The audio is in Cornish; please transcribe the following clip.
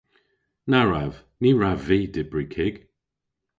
Na wrav. Ny wrav vy dybri kig.